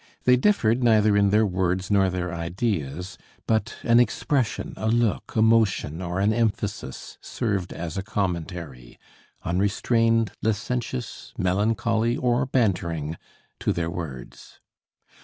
They differed neither in their words nor their ideas; but an expression, a look, a motion or an emphasis served as a commentary, unrestrained, licentious, melancholy or bantering, to their words.